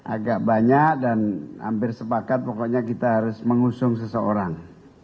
agak banyak dan hampir sepakat pokoknya kita harus mengusung seseorang